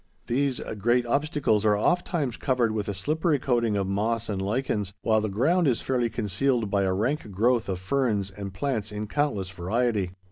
These great obstacles are ofttimes covered with a slippery coating of moss and lichens, while the ground is fairly concealed by a rank growth of ferns, and plants in countless variety.